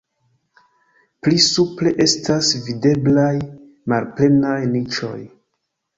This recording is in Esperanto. Pli supre estas videblaj malplenaj niĉoj.